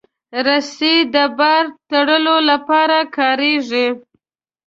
رسۍ د بار تړلو لپاره کارېږي.